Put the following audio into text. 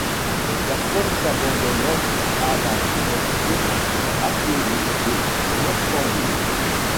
Les personnes s'adonnant à la vie nocturne sont appelés des noctambules.